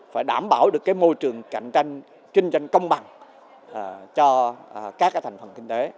phải đảm bảo được môi trường cạnh tranh kinh doanh công bằng cho các thành phần kinh tế